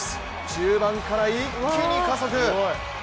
中盤から一気に加速。